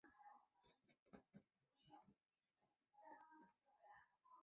宗祠和祭祀文化的兴盛是宁化人祖先崇拜的标志。